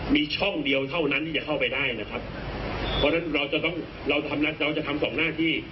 มีช่องเดียวเท่านั้นที่จะเข้าไปได้นะครับเพราะฉะนั้นเราจะต้องเราทำเราจะทำสองหน้าที่